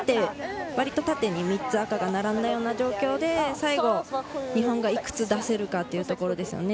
割と縦に３つ赤が並んだような状況で最後、日本がいくつ出せるかというところです。